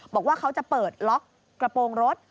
บอกว่าเขาจะเปิดล็อกกระโปรงรถ